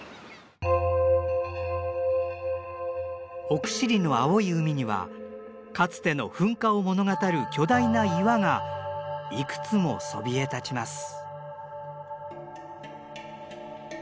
奥尻の青い海にはかつての噴火を物語る巨大な岩がいくつもそびえ立ちます。